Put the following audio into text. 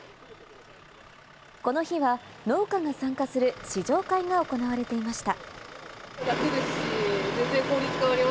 この日は農家が参加する試乗会が行われていました。